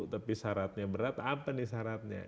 tapi syaratnya berat apa nih syaratnya